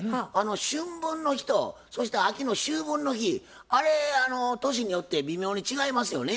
春分の日とそして秋の秋分の日あれ年によって微妙に違いますよね。